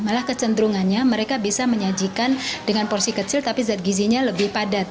malah kecenderungannya mereka bisa menyajikan dengan porsi kecil tapi zat gizinya lebih padat